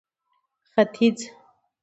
ختيځ